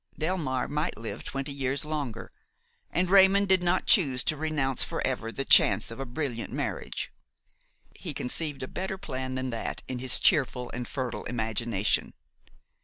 Delmare might live twenty years longer, and Raymon did not choose to renounce forever the chance of a brilliant marriage. He conceived a better plan than that in his cheerful and fertile imagination.